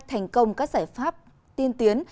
thành công các giải pháp tiên tiến